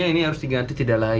ini harus diganti